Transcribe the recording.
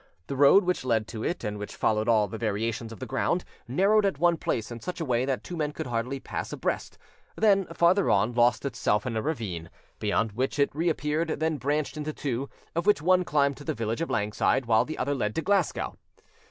The road which led to it, and which followed all the variations of the ground, narrowed at one place in such a way that two men could hardly pass abreast, then, farther on, lost itself in a ravine, beyond which it reappeared, then branched into two, of which one climbed to the village of Langside, while the other led to Glasgow.